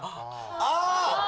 ・ああ！